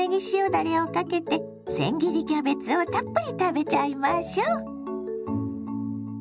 だれをかけてせん切りキャベツをたっぷり食べちゃいましょ！